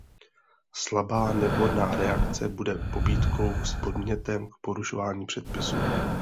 Slabá nevhodná reakce bude pobídkou a podnětem k porušování předpisů.